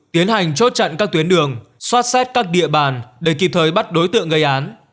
tiến hành chốt chặn các tuyến đường xoát xét các địa bàn để kịp thời bắt đối tượng gây án